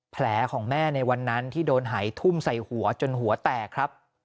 แผลของแม่ในวันนั้นที่โดนหายทุ่มใส่หัวจนหัวแตกครับ